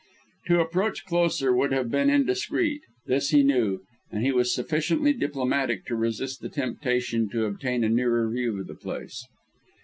To approach closer would have been indiscreet; this he knew; and he was sufficiently diplomatic to resist the temptation to obtain a nearer view of the place.